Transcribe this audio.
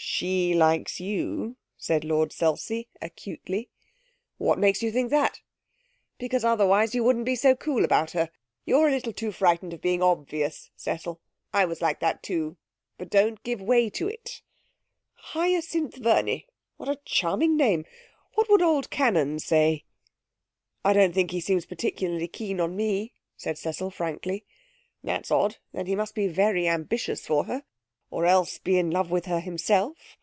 'She likes you,' said Lord Selsey acutely. 'What makes you think that?' 'Because otherwise you wouldn't be so cool about her. You're a little too frightened of being obvious, Cecil. I was like that, too. But don't give way to it. Hyacinth Verney what a charming name! ... What would old Cannon say?' 'I don't think he seems particularly keen on me,' said Cecil frankly. 'That's odd. Then he must be very ambitious for her, or else be in love with her himself